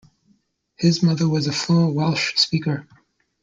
His mother was a fluent Welsh speaker.